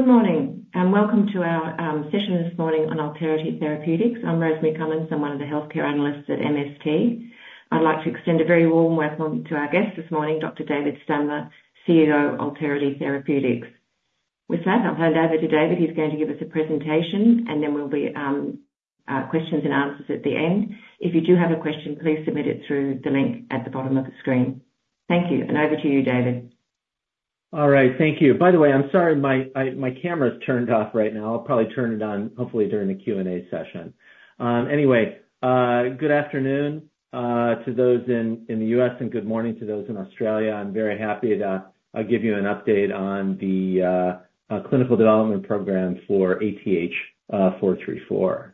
Good morning and welcome to our session this morning on Alterity Therapeutics. I'm Rosemary Cummins, I'm one of the healthcare analysts at MST. I'd like to extend a very warm welcome to our guest this morning, Dr. David Stamler, CEO of Alterity Therapeutics. With that, I'll hand over to David. He's going to give us a presentation, and then we'll be questions and answers at the end. If you do have a question, please submit it through the link at the bottom of the screen. Thank you, and over to you, David. All right, thank you. By the way, I'm sorry, my camera's turned off right now. I'll probably turn it on, hopefully during the Q&A session. Anyway, good afternoon to those in the US and good morning to those in Australia. I'm very happy to give you an update on the clinical development program for ATH434.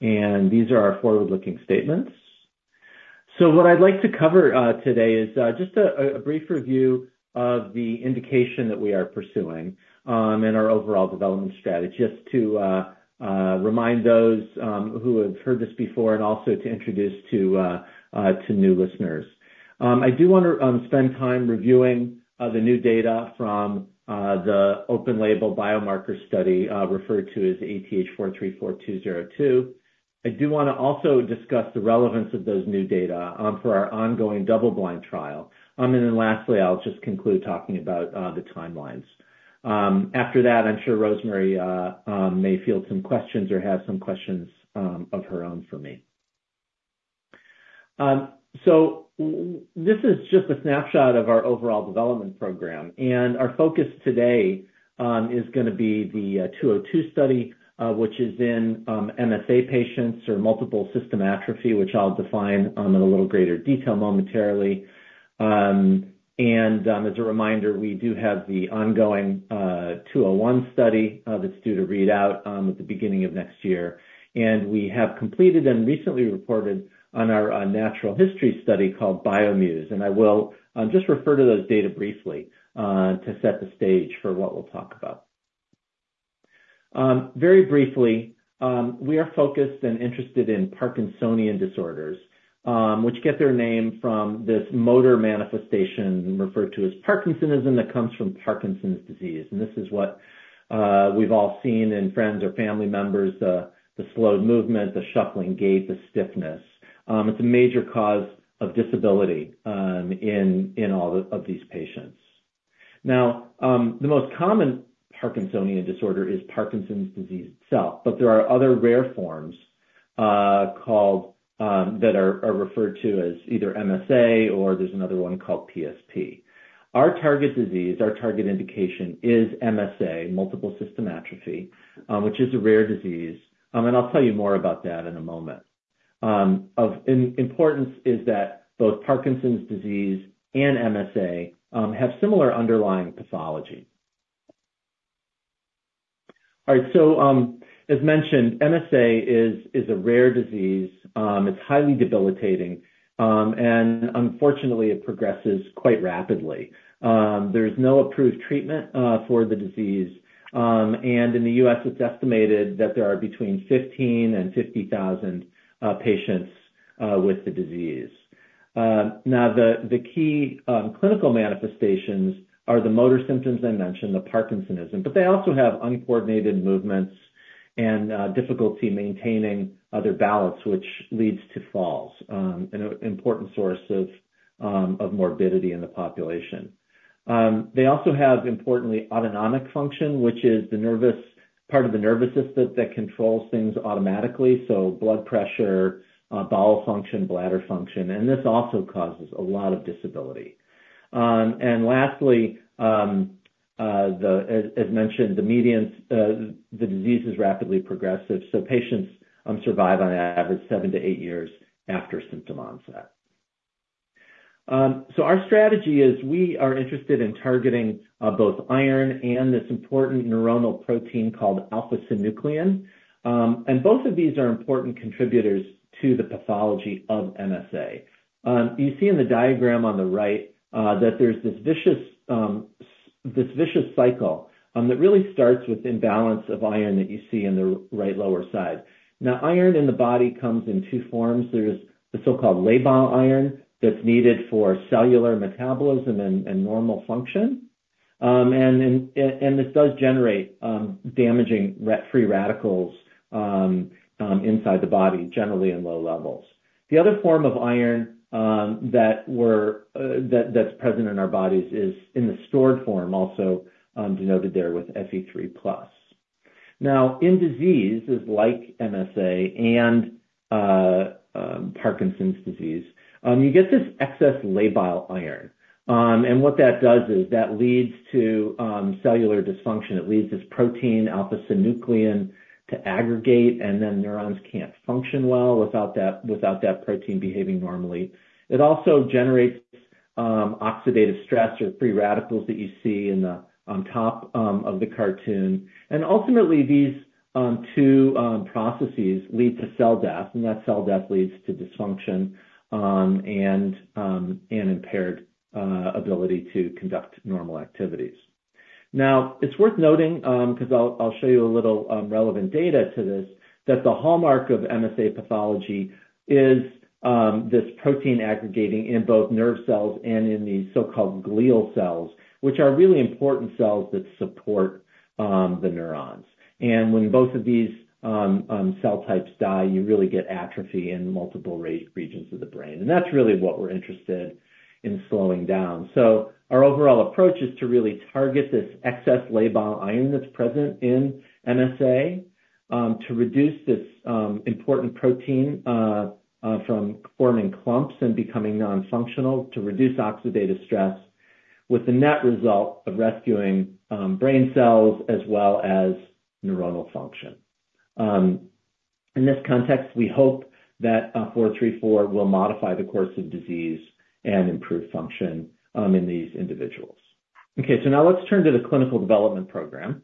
These are our forward-looking statements. What I'd like to cover today is just a brief review of the indication that we are pursuing in our overall development strategy, just to remind those who have heard this before and also to introduce to new listeners. I do want to spend time reviewing the new data from the open-label biomarker study referred to as ATH434-202. I do want to also discuss the relevance of those new data for our ongoing double-blind trial. Then lastly, I'll just conclude talking about the timelines. After that, I'm sure Rosemary may field some questions or have some questions of her own for me. This is just a snapshot of our overall development program. Our focus today is going to be the 202 study, which is in MSA patients or multiple system atrophy, which I'll define in a little greater detail momentarily. As a reminder, we do have the ongoing 201 study that's due to read out at the beginning of next year. We have completed and recently reported on our natural history study called BioMUSE. I will just refer to those data briefly to set the stage for what we'll talk about. Very briefly, we are focused and interested in Parkinsonian disorders, which get their name from this motor manifestation referred to as Parkinsonism that comes from Parkinson's disease. This is what we've all seen in friends or family members, the slowed movement, the shuffling gait, the stiffness. It's a major cause of disability in all of these patients. Now, the most common Parkinsonian disorder is Parkinson's disease itself, but there are other rare forms that are referred to as either MSA or there's another one called PSP. Our target disease, our target indication is MSA, multiple system atrophy, which is a rare disease. And I'll tell you more about that in a moment. Of importance is that both Parkinson's disease and MSA have similar underlying pathology. All right, so as mentioned, MSA is a rare disease. It's highly debilitating. And unfortunately, it progresses quite rapidly. There is no approved treatment for the disease. And in the U.S., it's estimated that there are between 15,000-50,000 patients with the disease. Now, the key clinical manifestations are the motor symptoms I mentioned, the parkinsonism, but they also have uncoordinated movements and difficulty maintaining their balance, which leads to falls, an important source of morbidity in the population. They also have, importantly, autonomic function, which is the part of the nervous system that controls things automatically, so blood pressure, bowel function, bladder function. This also causes a lot of disability. Lastly, as mentioned, the disease is rapidly progressive. Patients survive on average 7-8 years after symptom onset. Our strategy is we are interested in targeting both iron and this important neuronal protein called alpha-synuclein. Both of these are important contributors to the pathology of MSA. You see in the diagram on the right that there's this vicious cycle that really starts with imbalance of iron that you see in the right lower side. Now, iron in the body comes in two forms. There's the so-called labile iron that's needed for cellular metabolism and normal function. And this does generate damaging free radicals inside the body, generally in low levels. The other form of iron that's present in our bodies is in the stored form, also denoted there with Fe3+. Now, in disease, like MSA and Parkinson's disease, you get this excess labile iron. And what that does is that leads to cellular dysfunction. It leads this protein, alpha-synuclein, to aggregate, and then neurons can't function well without that protein behaving normally. It also generates oxidative stress or free radicals that you see on top of the cartoon. And ultimately, these two processes lead to cell death. And that cell death leads to dysfunction and impaired ability to conduct normal activities. Now, it's worth noting, because I'll show you a little relevant data to this, that the hallmark of MSA pathology is this protein aggregating in both nerve cells and in these so-called glial cells, which are really important cells that support the neurons. When both of these cell types die, you really get atrophy in multiple regions of the brain. That's really what we're interested in slowing down. Our overall approach is to really target this excess labile iron that's present in MSA to reduce this important protein from forming clumps and becoming nonfunctional, to reduce oxidative stress, with the net result of rescuing brain cells as well as neuronal function. In this context, we hope that 434 will modify the course of disease and improve function in these individuals. Okay, now let's turn to the clinical development program.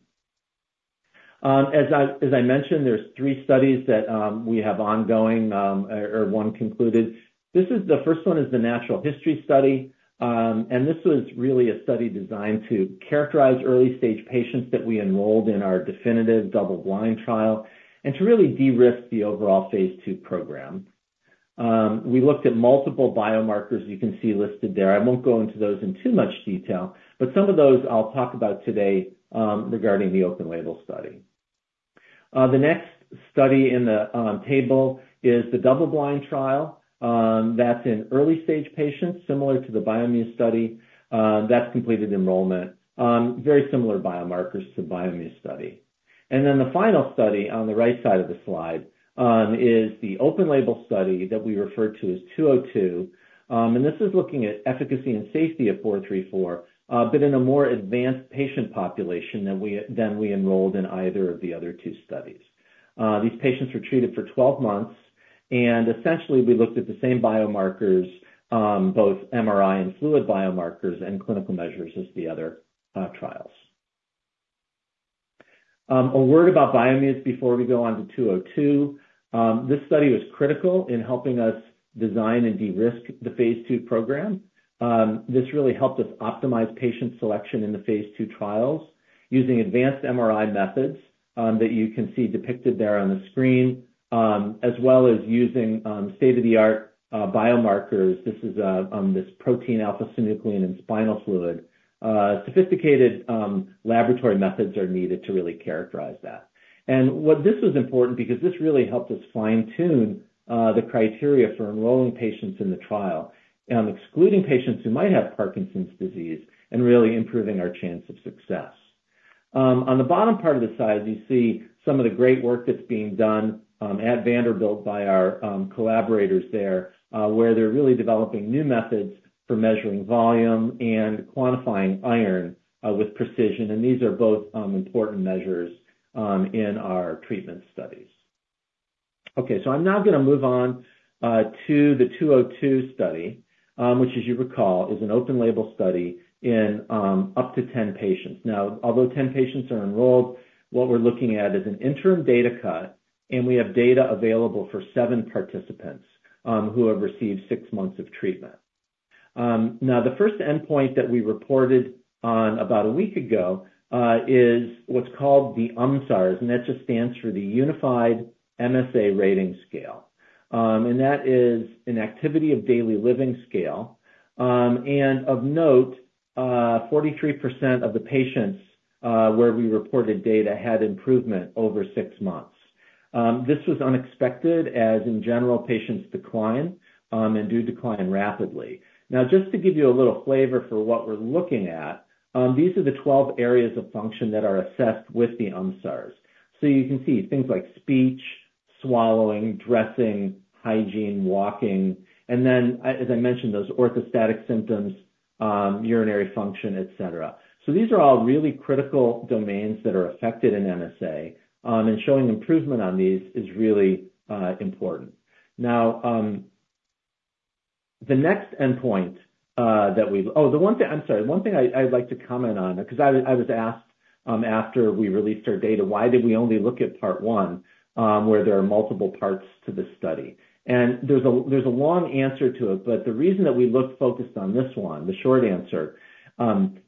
As I mentioned, there are three studies that we have ongoing or one concluded. The first one is the natural history study. This was really a study designed to characterize early-stage patients that we enrolled in our definitive double-blind trial and to really de-risk the overall phase two program. We looked at multiple biomarkers you can see listed there. I won't go into those in too much detail, but some of those I'll talk about today regarding the open-label study. The next study in the table is the double-blind trial. That's in early-stage patients, similar to the BioMUSE study. That's completed enrollment. Very similar biomarkers to the BioMUSE study. Then the final study on the right side of the slide is the open-label study that we refer to as 202. This is looking at efficacy and safety of ATH434, but in a more advanced patient population than we enrolled in either of the other two studies. These patients were treated for 12 months. Essentially, we looked at the same biomarkers, both MRI and fluid biomarkers and clinical measures as the other trials. A word about BioMUSE before we go on to ATH434-202. This study was critical in helping us design and de-risk the phase two program. This really helped us optimize patient selection in the phase two trials using advanced MRI methods that you can see depicted there on the screen, as well as using state-of-the-art biomarkers. This is this protein, alpha-synuclein, and spinal fluid. Sophisticated laboratory methods are needed to really characterize that. This was important because this really helped us fine-tune the criteria for enrolling patients in the trial, excluding patients who might have Parkinson's disease and really improving our chance of success. On the bottom part of the slide, you see some of the great work that's being done at Vanderbilt by our collaborators there, where they're really developing new methods for measuring volume and quantifying iron with precision. These are both important measures in our treatment studies. Okay, so I'm now going to move on to the 202 study, which, as you recall, is an open-label study in up to 10 patients. Now, although 10 patients are enrolled, what we're looking at is an interim data cut, and we have data available for 7 participants who have received 6 months of treatment. Now, the first endpoint that we reported on about a week ago is what's called the UMSARS, and that just stands for the Unified MSA Rating Scale. That is an activity of daily living scale. Of note, 43% of the patients were we reported data had improvement over six months. This was unexpected, as in general, patients decline and do decline rapidly. Now, just to give you a little flavor for what we're looking at, these are the 12 areas of function that are assessed with the UMSARS. So you can see things like speech, swallowing, dressing, hygiene, walking, and then, as I mentioned, those orthostatic symptoms, urinary function, etc. So these are all really critical domains that are affected in MSA, and showing improvement on these is really important. Now, the one thing I'm sorry, one thing I'd like to comment on, because I was asked after we released our data, why did we only look at part one, where there are multiple parts to the study? There's a long answer to it, but the reason that we looked focused on this one, the short answer,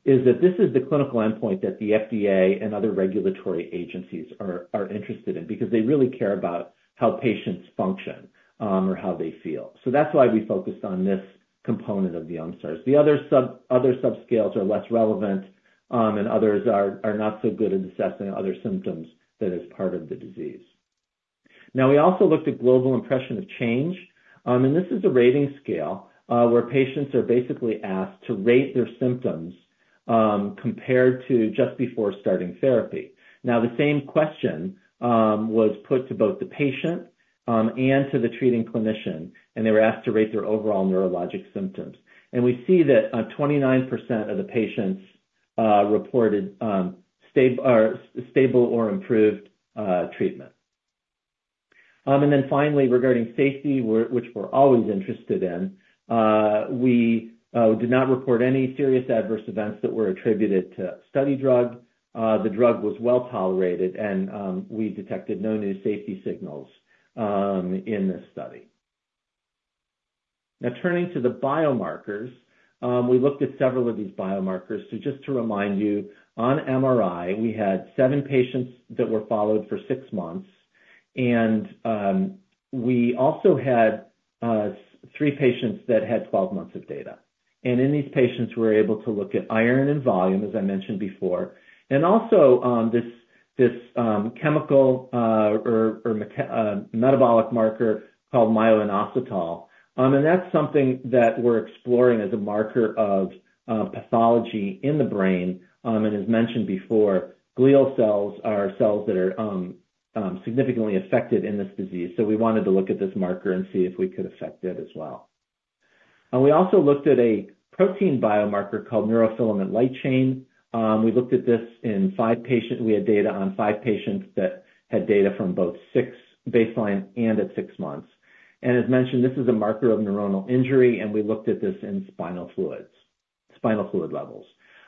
is that this is the clinical endpoint that the FDA and other regulatory agencies are interested in because they really care about how patients function or how they feel. That's why we focused on this component of the UMSARS. The other subscales are less relevant, and others are not so good at assessing other symptoms that are part of the disease. Now, we also looked at Global Impression of Change. This is a rating scale where patients are basically asked to rate their symptoms compared to just before starting therapy. Now, the same question was put to both the patient and to the treating clinician, and they were asked to rate their overall neurologic symptoms. We see that 29% of the patients reported stable or improved treatment. Then finally, regarding safety, which we're always interested in, we did not report any serious adverse events that were attributed to the study drug. The drug was well tolerated, and we detected no new safety signals in this study. Now, turning to the biomarkers, we looked at several of these biomarkers. So just to remind you, on MRI, we had 7 patients that were followed for 6 months. We also had 3 patients that had 12 months of data. In these patients, we were able to look at iron and volume, as I mentioned before, and also this chemical or metabolic marker called myo-inositol. That's something that we're exploring as a marker of pathology in the brain. As mentioned before, glial cells are cells that are significantly affected in this disease. We wanted to look at this marker and see if we could affect it as well. We also looked at a protein biomarker called neurofilament light chain. We looked at this in five patients. We had data on five patients that had data from both six baseline and at six months. As mentioned, this is a marker of neuronal injury, and we looked at this in spinal fluid levels.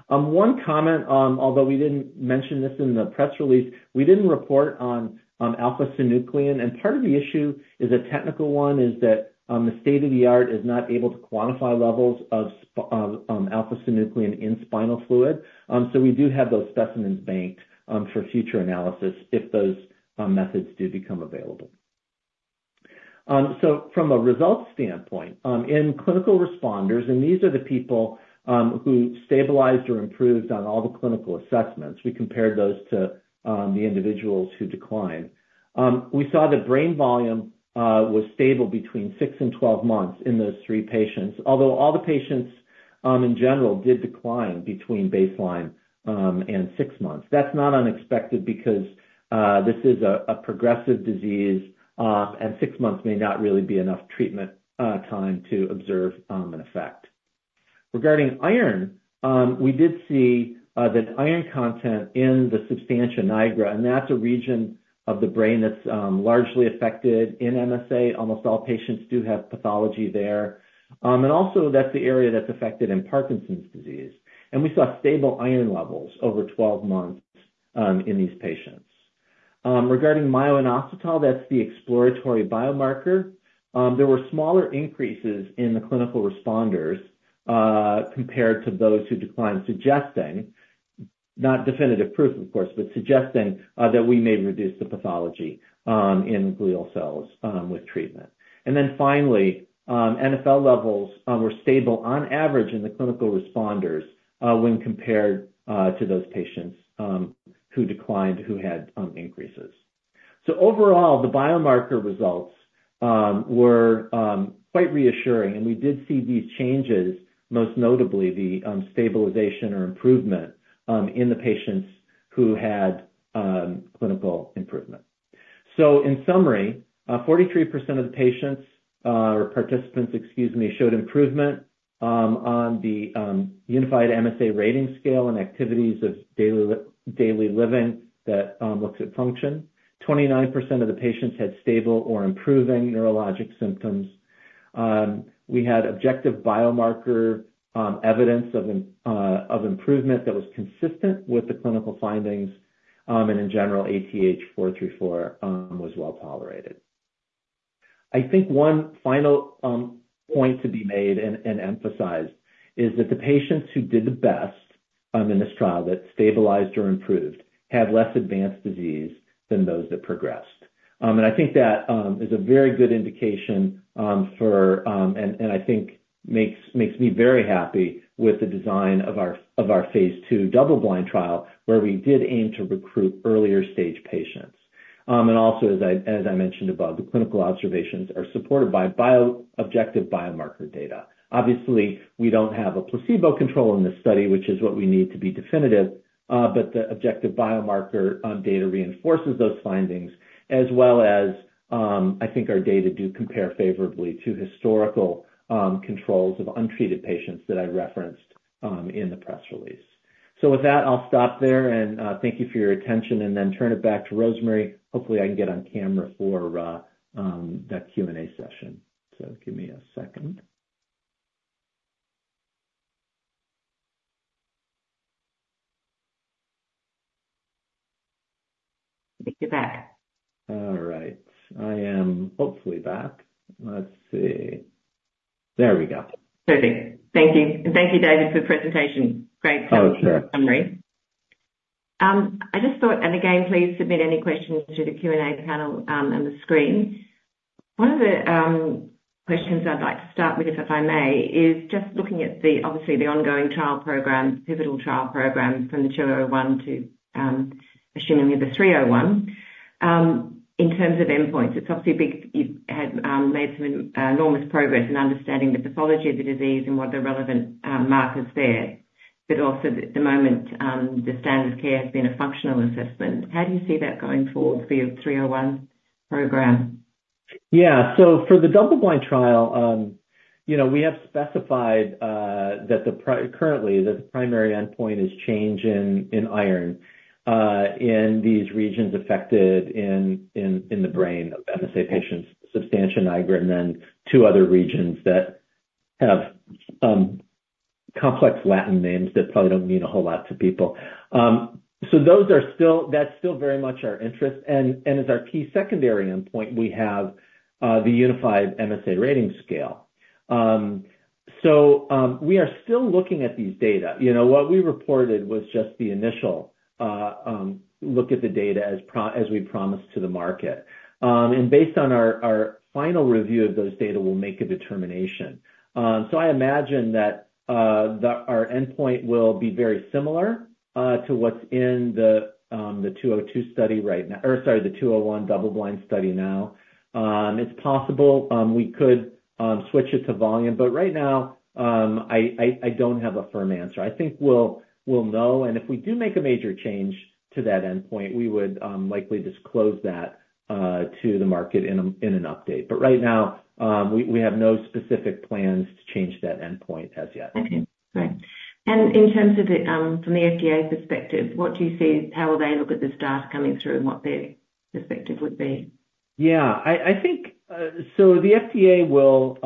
One comment, although we didn't mention this in the press release, we didn't report on alpha-synuclein. Part of the issue is a technical one, is that the state of the art is not able to quantify levels of alpha-synuclein in spinal fluid. So we do have those specimens banked for future analysis if those methods do become available. So from a results standpoint, in clinical responders, and these are the people who stabilized or improved on all the clinical assessments, we compared those to the individuals who declined. We saw that brain volume was stable between 6 and 12 months in those 3 patients, although all the patients in general did decline between baseline and 6 months. That's not unexpected because this is a progressive disease, and 6 months may not really be enough treatment time to observe an effect. Regarding iron, we did see that iron content in the substantia nigra, and that's a region of the brain that's largely affected in MSA. Almost all patients do have pathology there. Also, that's the area that's affected in Parkinson's disease. We saw stable iron levels over 12 months in these patients. Regarding myo-inositol, that's the exploratory biomarker. There were smaller increases in the clinical responders compared to those who declined, not definitive proof, of course, but suggesting that we may reduce the pathology in glial cells with treatment. Then finally, NFL levels were stable on average in the clinical responders when compared to those patients who declined who had increases. Overall, the biomarker results were quite reassuring, and we did see these changes, most notably the stabilization or improvement in the patients who had clinical improvement. In summary, 43% of the patients or participants, excuse me, showed improvement on the Unified MSA Rating Scale and activities of daily living that looks at function. 29% of the patients had stable or improving neurologic symptoms. We had objective biomarker evidence of improvement that was consistent with the clinical findings. In general, ATH434 was well tolerated. I think one final point to be made and emphasized is that the patients who did the best in this trial that stabilized or improved had less advanced disease than those that progressed. I think that is a very good indication for, and I think makes me very happy with the design of our phase two double-blind trial, where we did aim to recruit earlier-stage patients. Also, as I mentioned above, the clinical observations are supported by objective biomarker data. Obviously, we don't have a placebo control in this study, which is what we need to be definitive, but the objective biomarker data reinforces those findings, as well as I think our data do compare favorably to historical controls of untreated patients that I referenced in the press release. So with that, I'll stop there and thank you for your attention, and then turn it back to Rosemary. Hopefully, I can get on camera for that Q&A session. So give me a second. You're back. All right. I am hopefully back. Let's see. There we go. Perfect. Thank you. Thank you, David, for the presentation. Great summary. Oh, sure. I just thought, and again, please submit any questions to the Q&A panel and the screen. One of the questions I'd like to start with, if I may, is just looking at, obviously, the ongoing trial program, pivotal trial program from the 201 to, presumably, the 301. In terms of endpoints, it's obviously big. You've made some enormous progress in understanding the pathology of the disease and what are the relevant markers there. But also, at the moment, the standard of care has been a functional assessment. How do you see that going forward for your 301 program? Yeah. So for the double-blind trial, we have specified that currently, the primary endpoint is change in iron in these regions affected in the brain of MSA patients, substantia nigra, and then two other regions that have complex Latin names that probably don't mean a whole lot to people. So that's still very much our interest. And as our key secondary endpoint, we have the Unified MSA Rating Scale. So we are still looking at these data. What we reported was just the initial look at the data as we promised to the market. And based on our final review of those data, we'll make a determination. So I imagine that our endpoint will be very similar to what's in the 202 study right now, or sorry, the 201 double-blind study now. It's possible we could switch it to volume, but right now, I don't have a firm answer. I think we'll know. If we do make a major change to that endpoint, we would likely disclose that to the market in an update. Right now, we have no specific plans to change that endpoint as yet. Okay. Great. In terms of from the FDA perspective, what do you see, how will they look at this data coming through, and what their perspective would be? Yeah. So the FDA will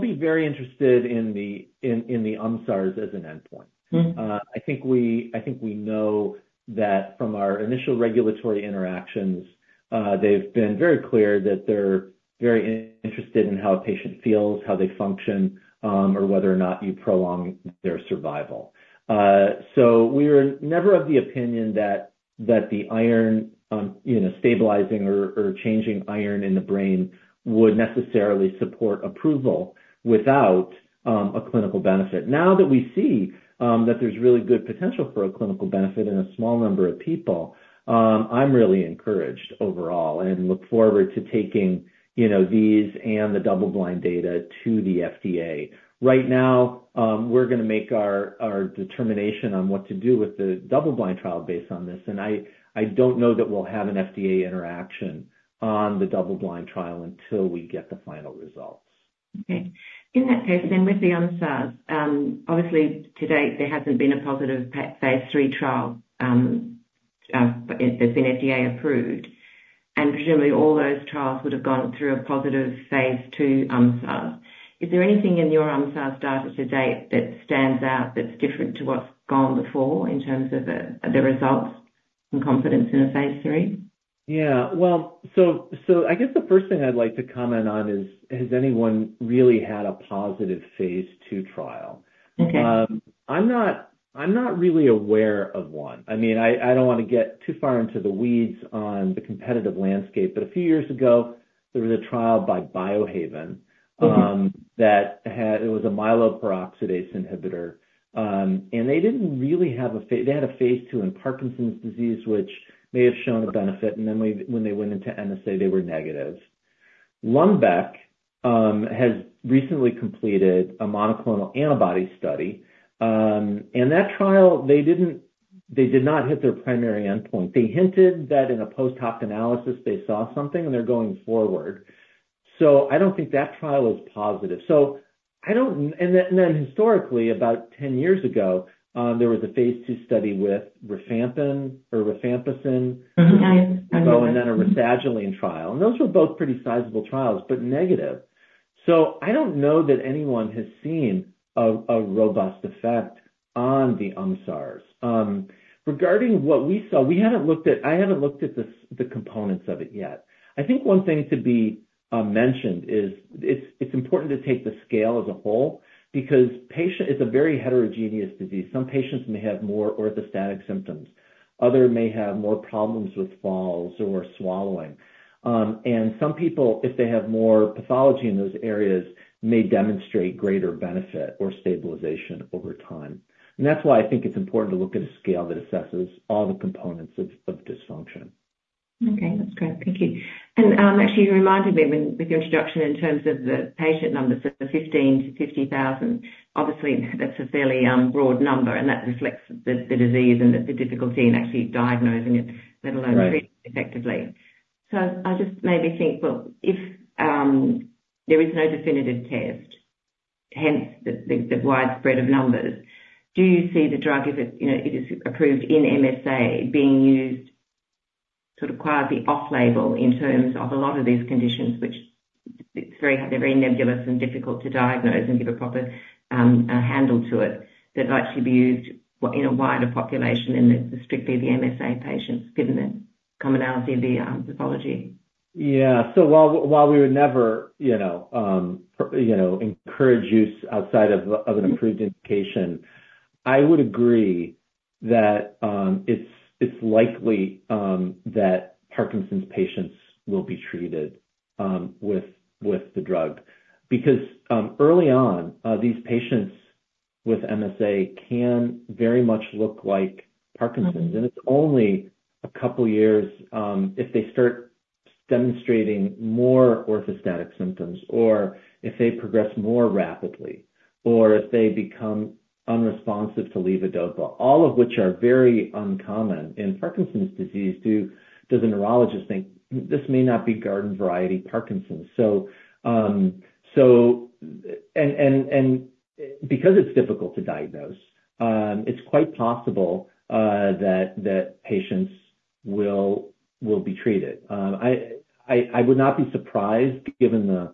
be very interested in the UMSARS as an endpoint. I think we know that from our initial regulatory interactions, they've been very clear that they're very interested in how a patient feels, how they function, or whether or not you prolong their survival. So we were never of the opinion that the iron stabilizing or changing iron in the brain would necessarily support approval without a clinical benefit. Now that we see that there's really good potential for a clinical benefit in a small number of people, I'm really encouraged overall and look forward to taking these and the double-blind data to the FDA. Right now, we're going to make our determination on what to do with the double-blind trial based on this. And I don't know that we'll have an FDA interaction on the double-blind trial until we get the final results. Okay. In that case, then with the UMSARS, obviously, to date, there hasn't been a positive phase 3 trial. There's been FDA approved. Presumably, all those trials would have gone through a positive phase 2 UMSARS. Is there anything in your UMSARS data to date that stands out that's different to what's gone before in terms of the results and confidence in a phase 3? Yeah. Well, so I guess the first thing I'd like to comment on is, has anyone really had a positive phase two trial? I'm not really aware of one. I mean, I don't want to get too far into the weeds on the competitive landscape, but a few years ago, there was a trial by Biohaven that it was a myeloperoxidase inhibitor. And they didn't really have a they had a phase two in Parkinson's disease, which may have shown a benefit. And then when they went into MSA, they were negative. Lundbeck has recently completed a monoclonal antibody study. And that trial, they did not hit their primary endpoint. They hinted that in a post-hoc analysis, they saw something, and they're going forward. So I don't think that trial is positive. So, I don't, and then historically, about 10 years ago, there was a phase two study with rifampin or rifampicin and then a rasagiline trial. Those were both pretty sizable trials, but negative. So I don't know that anyone has seen a robust effect on the UMSARS. Regarding what we saw, we haven't looked at the components of it yet. I think one thing to be mentioned is it's important to take the scale as a whole because it's a very heterogeneous disease. Some patients may have more orthostatic symptoms. Others may have more problems with falls or swallowing. Some people, if they have more pathology in those areas, may demonstrate greater benefit or stabilization over time. That's why I think it's important to look at a scale that assesses all the components of dysfunction. Okay. That's great. Thank you. And actually, you reminded me with your introduction in terms of the patient numbers, so 15-50,000. Obviously, that's a fairly broad number, and that reflects the disease and the difficulty in actually diagnosing it, let alone treating it effectively. So I just maybe think, well, if there is no definitive test, hence the widespread of numbers, do you see the drug, if it is approved in MSA, being used sort of quasi-off-label in terms of a lot of these conditions, which they're very nebulous and difficult to diagnose and give a proper handle to it, that it might actually be used in a wider population and strictly the MSA patients, given the commonality of the pathology? Yeah. So while we would never encourage use outside of an approved indication, I would agree that it's likely that Parkinson's patients will be treated with the drug. Because early on, these patients with MSA can very much look like Parkinson's. And it's only a couple of years if they start demonstrating more orthostatic symptoms or if they progress more rapidly or if they become unresponsive to levodopa, all of which are very uncommon in Parkinson's disease, does a neurologist think, "This may not be garden variety Parkinson's." And because it's difficult to diagnose, it's quite possible that patients will be treated. I would not be surprised, given the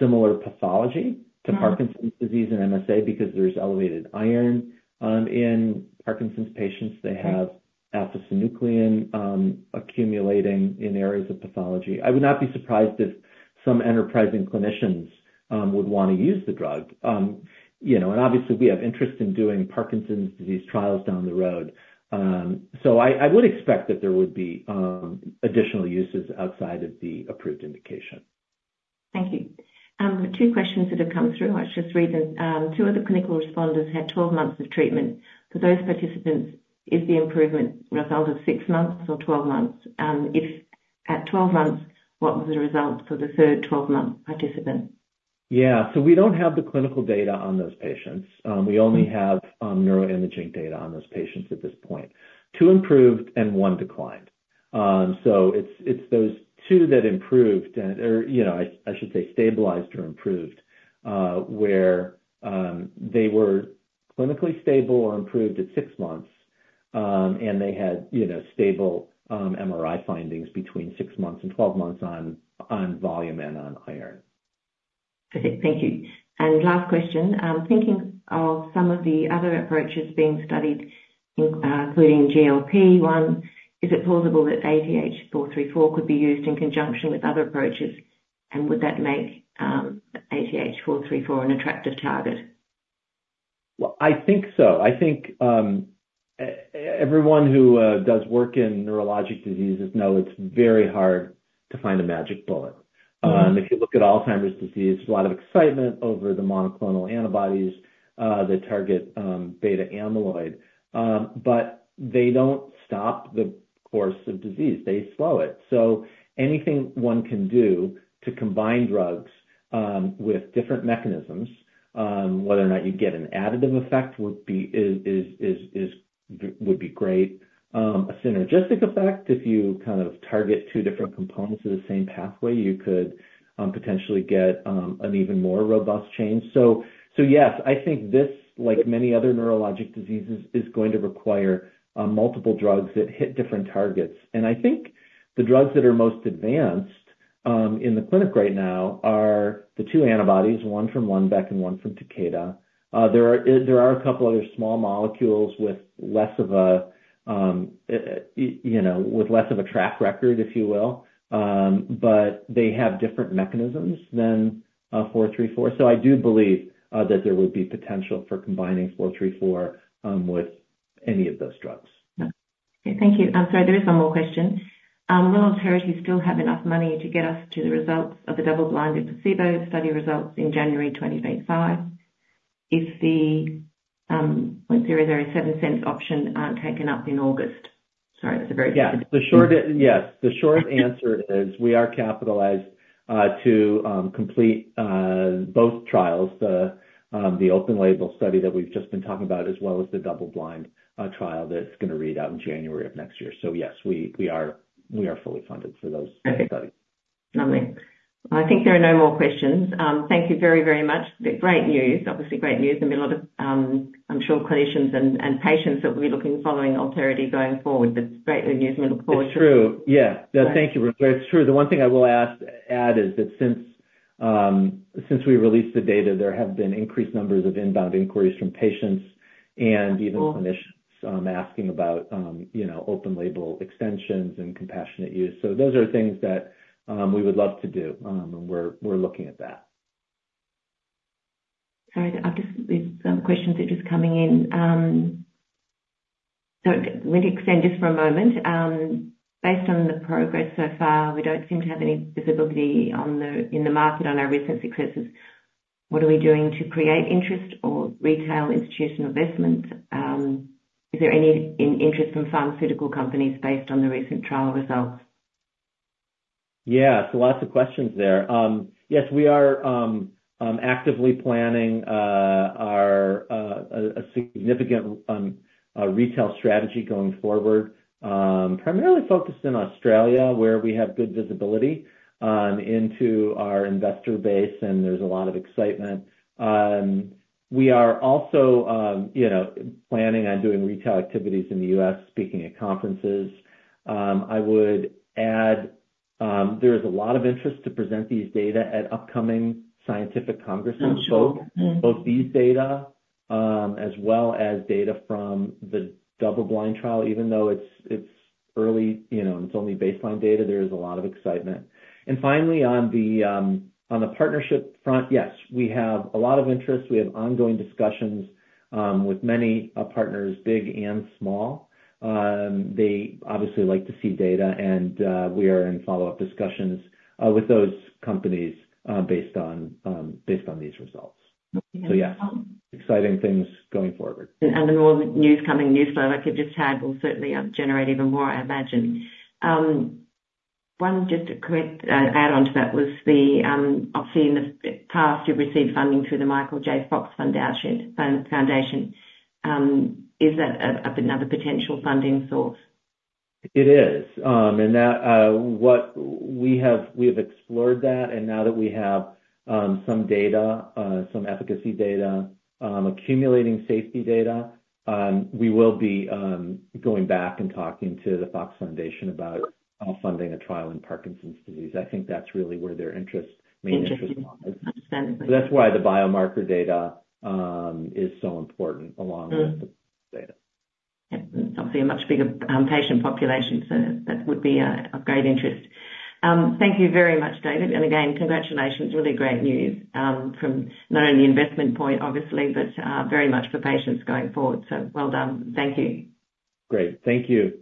similar pathology to Parkinson's disease and MSA, because there's elevated iron in Parkinson's patients. They have alpha-synuclein accumulating in areas of pathology. I would not be surprised if some enterprising clinicians would want to use the drug. Obviously, we have interest in doing Parkinson's disease trials down the road. I would expect that there would be additional uses outside of the approved indication. Thank you. 2 questions that have come through. I'll just read them. 2 of the clinical responders had 12 months of treatment. For those participants, is the improvement result of 6 months or 12 months? If at 12 months, what was the result for the third 12-month participant? Yeah. So we don't have the clinical data on those patients. We only have neuroimaging data on those patients at this point. Two improved and one declined. So it's those two that improved, or I should say stabilized or improved, where they were clinically stable or improved at 6 months, and they had stable MRI findings between 6 months and 12 months on volume and on iron. Perfect. Thank you. And last question. Thinking of some of the other approaches being studied, including GLP-1, is it plausible that ATH434 could be used in conjunction with other approaches? And would that make ATH434 an attractive target? Well, I think so. I think everyone who does work in neurologic diseases knows it's very hard to find a magic bullet. If you look at Alzheimer's disease, there's a lot of excitement over the monoclonal antibodies that target beta-amyloid. But they don't stop the course of disease. They slow it. So anything one can do to combine drugs with different mechanisms, whether or not you get an additive effect, would be great. A synergistic effect, if you kind of target two different components of the same pathway, you could potentially get an even more robust change. So yes, I think this, like many other neurologic diseases, is going to require multiple drugs that hit different targets. And I think the drugs that are most advanced in the clinic right now are the two antibodies, one from Lundbeck and one from Takeda. There are a couple of other small molecules with less of a track record, if you will, but they have different mechanisms than 434. So I do believe that there would be potential for combining 434 with any of those drugs. Okay. Thank you. I'm sorry, there is one more question. Will Alterity still have enough money to get us to the results of the double-blind placebo study results in January 2025 if the 0.007 options aren't taken up in August? Sorry, that's a very specific question. Yeah. Yes. The short answer is we are capitalized to complete both trials, the open-label study that we've just been talking about, as well as the double-blind trial that's going to read out in January of next year. So yes, we are fully funded for those studies. Okay. Lovely. Well, I think there are no more questions. Thank you very, very much. Great news. Obviously, great news. There'll be a lot of, I'm sure, clinicians and patients that will be looking and following Alterity going forward. But it's great news, and we look forward to it. It's true. Yeah. Thank you, Rosemary. It's true. The one thing I will add is that since we released the data, there have been increased numbers of inbound inquiries from patients and even clinicians asking about open-label extensions and compassionate use. So those are things that we would love to do, and we're looking at that. Sorry, there's some questions that are just coming in. So let me extend just for a moment. Based on the progress so far, we don't seem to have any visibility in the market on our recent successes. What are we doing to create interest or retail institutional investment? Is there any interest from pharmaceutical companies based on the recent trial results? Yeah. So lots of questions there. Yes, we are actively planning a significant retail strategy going forward, primarily focused in Australia, where we have good visibility into our investor base, and there's a lot of excitement. We are also planning on doing retail activities in the U.S., speaking at conferences. I would add, there is a lot of interest to present these data at upcoming scientific congresses, both these data as well as data from the double-blind trial. Even though it's early and it's only baseline data, there is a lot of excitement. And finally, on the partnership front, yes, we have a lot of interest. We have ongoing discussions with many partners, big and small. They obviously like to see data, and we are in follow-up discussions with those companies based on these results. So yes, exciting things going forward. The more news coming, news flow I could just add will certainly generate even more, I imagine. One just to add on to that was, obviously, in the past, you've received funding through the Michael J. Fox Foundation. Is that another potential funding source? It is. We have explored that. Now that we have some data, some efficacy data, accumulating safety data, we will be going back and talking to the Fox Foundation about funding a trial in Parkinson's disease. I think that's really where their main interest lies. That's why the biomarker data is so important along with the data. Yeah. Obviously, a much bigger patient population, so that would be of great interest. Thank you very much, David. And again, congratulations. Really great news from not only the investment point, obviously, but very much for patients going forward. So well done. Thank you. Great. Thank you.